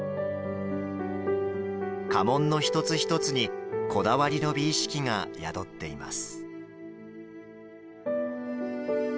家紋の一つ一つにこだわりの美意識が宿っています。